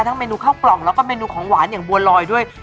เมนูข้าวกล่องแล้วก็เมนูของหวานอย่างบัวลอยด้วย